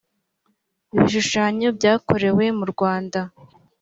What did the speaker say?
ibishushanyo byakorewe murwanda.